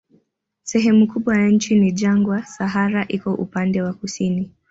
Sehemu kubwa ya nchi ni jangwa, Sahara iko upande wa kusini.